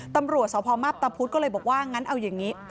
ตำรวจสพมับตะพุทธก็เลยบอกว่างั้นเอาอย่างนี้